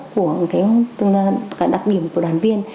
của cái đặc điểm của đoàn viên